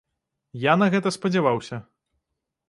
Я на гэта спадзяваўся.